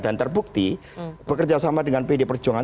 dan terbukti bekerja sama dengan pdi perjuangan